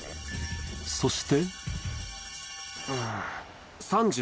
そして。